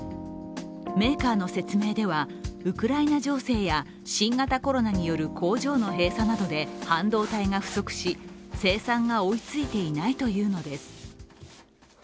メーカーの説明ではウクライナ情勢や新型コロナによる工場の閉鎖などで半導体が不足し、生産が追いついていないというのです。